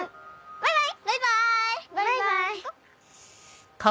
バイバイ。